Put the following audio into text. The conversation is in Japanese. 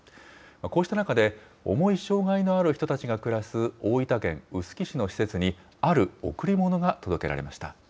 こうした中で、重い障害のある人たちが暮らす大分県臼杵市の施設に、ある贈り物が届けられました。